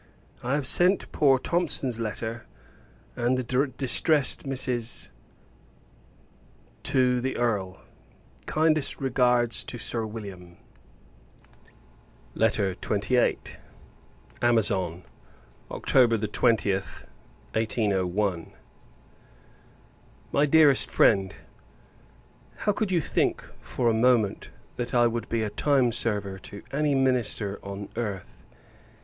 I have sent poor Thomson's letter, and the distressed Mrs. , to the Earl. Kindest regards to Sir William. LETTER XXVIII. Amazon, October 20th, 1801. MY DEAREST FRIEND, How could you think, for a moment, that I would be a time server to any Minister on earth!